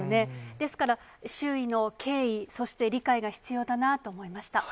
ですから、周囲の敬意、そして理解が必要だなと思いました。